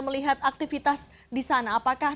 melihat aktivitas di sana apakah